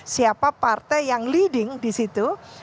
siapa partai yang leading disitu